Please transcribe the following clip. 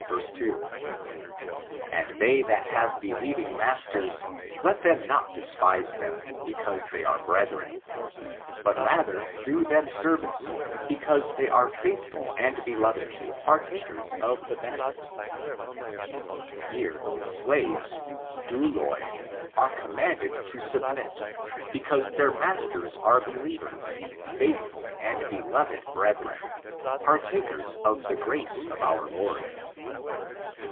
2; "And they that have believing masters, let them not despise them, because they are brethren; but rather do them service, because they are feithful and beloved, partakers of the benefit" Here the slaves, douloi, are commanded to submit, because their masters are believers — faithful and beloved brethren, partakers of the grace of our Lord.